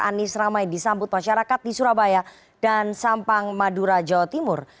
anies ramai disambut masyarakat di surabaya dan sampang madura jawa timur